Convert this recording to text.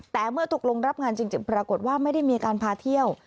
แต่เมื่อตกลงรับงานจริงปรากฏว่าไม่ได้มีการพาเที่ยว